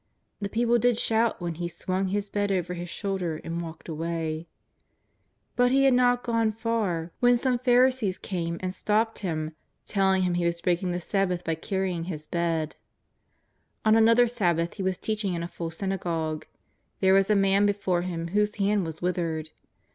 The people did shout when he swung his bed over his shoulder and walked away. But he had not gone far when some 187 188 JESUS OF NAZARETH. Pharisees came and stopped liim, telling him lie was breaking^ the Sabbath bv carrvin"^ his bed. On another Sabbath He ^vas teaching in a full syna gogue. There was a man before Him whose hand was withered.